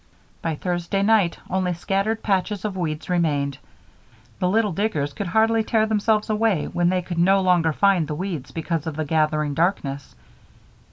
By Thursday night, only scattered patches of weeds remained. The little diggers could hardly tear themselves away when they could no longer find the weeds because of the gathering darkness.